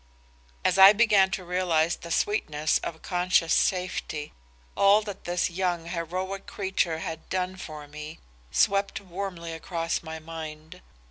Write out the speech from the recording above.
As I began to realize the sweetness of conscious safety, all that this young, heroic creature had done for me swept warmly across my mind.